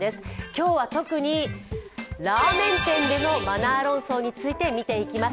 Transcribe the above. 今日は特にラーメン店でのマナー論争について見ていきます。